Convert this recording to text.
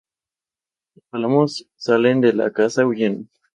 Los Palomos salen de la casa huyendo.